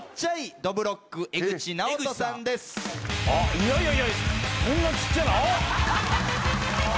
いやいやいやこんなちっちゃなあっ！